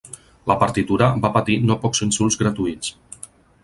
La partitura va patir no pocs insults gratuïts.